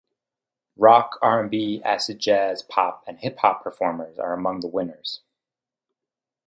Rock, R and B, acid jazz, pop, and hip-hop performers are among the winners.